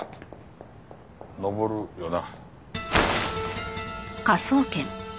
登るよな。